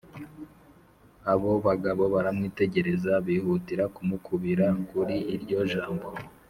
Abo bagabo baramwitegereza bihutira kumukubira kuri iryo jambo